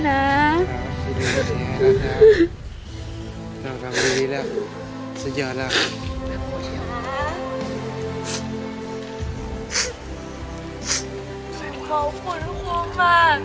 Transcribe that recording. เกณฑ์หนูทุกอย่าง